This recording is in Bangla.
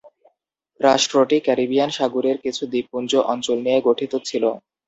রাষ্ট্রটি ক্যারিবিয়ান সাগরের কিছু দ্বীপপুঞ্জ অঞ্চল নিয়ে গঠিত ছিল।